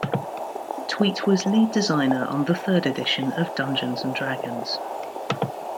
Tweet was lead designer on the third edition of "Dungeons and Dragons".